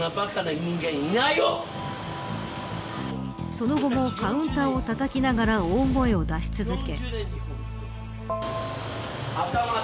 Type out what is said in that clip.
その後もカウンターをたたきながら大声を出し続け。